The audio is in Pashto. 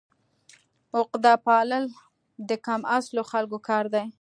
عقده پالل د کم اصلو خلکو کار دی.